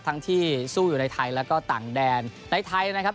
ที่สู้อยู่ในไทยแล้วก็ต่างแดนในไทยนะครับ